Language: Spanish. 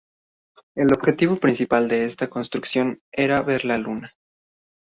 El objetivo principal de esta construcción era ver la luna.